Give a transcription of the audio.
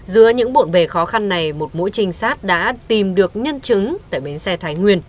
giữa những bộn bề khó khăn này một mũi trinh sát đã tìm được nhân chứng tại bến xe thái nguyên